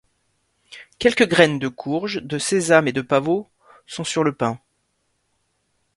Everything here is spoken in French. Quelques graines de courge, de sésame et de pavot sont sur le pain.